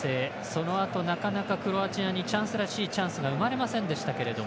そのあと、クロアチアにチャンスらしいチャンスが生まれませんでしたけど